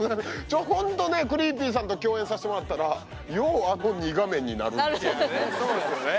ちょほんとねＣｒｅｅｐｙさんと共演さしてもらったらようあの２画面になるんですよね。